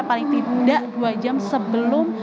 paling tidak dua jam sebelum